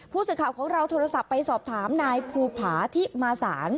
ผู้สื่อข่าวของเราโทรศัพท์ไปสอบถามนายภูผาทิมาสาร